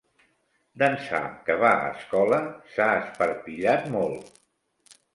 D'ençà que va a escola, s'ha esparpillat molt.